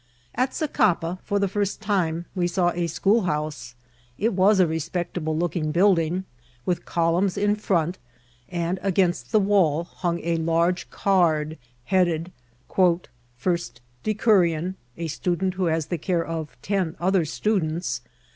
At Zacapa, for the first time, we saw a schoolhouse. It was a respectable looking building, with columns in firont, and against the wall hung a large card, headed, <' lit Decorion (a student iiiiohaa the care of ten other atodenta).